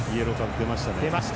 出ました。